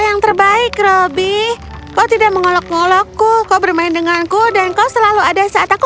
yang terbaik robby kau tidak mengolok ngolokku kau bermain denganku dan kau selalu ada saat aku